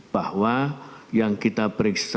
bahwa yang kita periksa